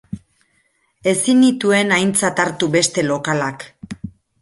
Ezin nituen aintzat hartu beste lokalak.